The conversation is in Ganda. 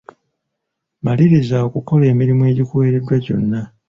Maliriza okukola emirimu egikuweereddwa gyonna.